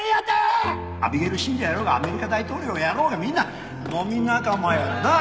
アビゲイル信者やろうがアメリカ大統領やろうがみんな飲み仲間やでなあ！